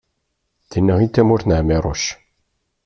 d tin-a i d tamurt n ԑmiruc